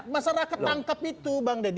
masyarakat tangkap itu bang dedy